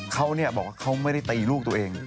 เขาบอกว่าเขาไม่ได้ตีลูกตัวเอง